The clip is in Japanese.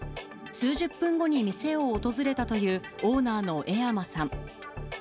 数十分後に店を訪れたという、オーナーの恵山さん。